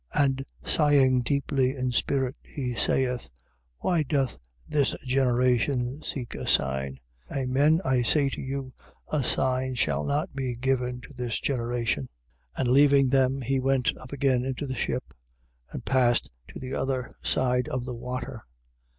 8:12. And sighing deeply in spirit, he saith: Why doth this generation seek a sign? Amen, I say to you, a sign shall not be given to this generation. 8:13. And leaving them, he went up again into the ship and passed to the other side of the water.